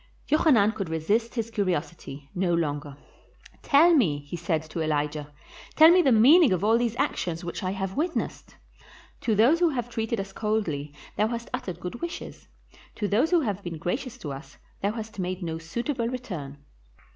Jochanan could resist his curiosity no longer. "Tell me," said he to Elijah, "tell me the meaning of all these actions which I have witnessed. To those who have treated us coldly thou hast uttered good wishes ; to those who have been gracious to us thou hast made no suit able return.